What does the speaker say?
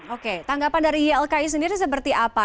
oke tanggapan dari ylki sendiri seperti apa